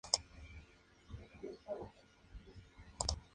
En vez de eso, aparece como una colección de dichos y citas de Jesús.